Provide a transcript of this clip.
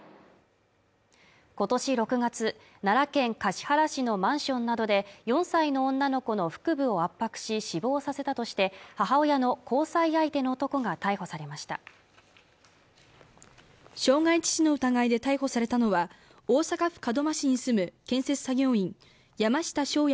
今年６月奈良県橿原市のマンションなどで４歳の女の子の腹部を圧迫し死亡させたとして母親の交際相手の男が逮捕されました傷害致死の疑いで逮捕されたのは大阪府門真市に住む建設作業員山下翔也